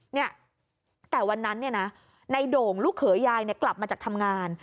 นี่แต่วันนั้นนี่นะในโดงลูกเขยายกลับมาจากทำงาน